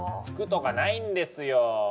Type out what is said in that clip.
服とかないんですよ。